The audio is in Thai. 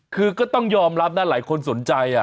คือก็ต้องยอมรับนะหลายคนสนใจ